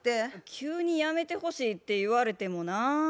急にやめてほしいって言われてもなぁ。